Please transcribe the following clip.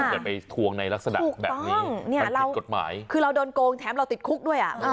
แต่ไปทวงในลักษณะแบบนี้คือเราโดนโกงแถมเราติดคุกด้วยอ่ะ